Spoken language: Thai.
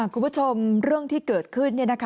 คุณผู้ชมเรื่องที่เกิดขึ้น